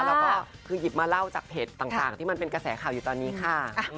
แล้วก็คือหยิบมาเล่าจากเพจต่างที่มันเป็นกระแสข่าวอยู่ตอนนี้ค่ะ